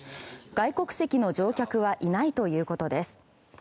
外国籍の乗客はいないということです。